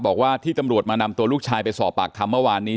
บอกว่าที่ตำรวจมานำตัวลูกชายไปสอบปากคำเมื่อวานนี้